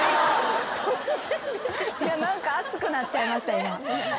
何か熱くなっちゃいました今。